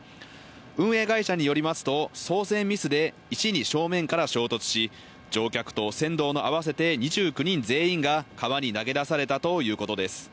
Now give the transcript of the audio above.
運営会社によりますと、操船ミスで石に正面から衝突し、乗客と船頭の合わせて２９人全員が川に投げ出されたということです。